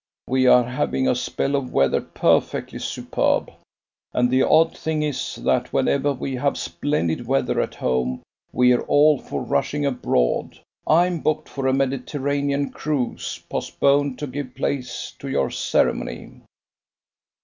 "We are having a spell of weather perfectly superb. And the odd thing is, that whenever we have splendid weather at home we're all for rushing abroad. I'm booked for a Mediterranean cruise postponed to give place to your ceremony."